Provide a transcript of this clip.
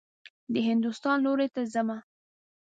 د هندوستان لوري ته حمه.